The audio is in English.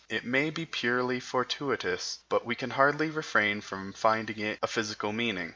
It may be purely fortuitous, but we can hardly refrain from finding in it a physical meaning.